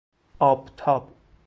آبتاب